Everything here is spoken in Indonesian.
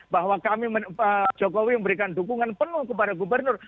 bahwa kami jokowi memberikan dukungan penuh kepada gubernur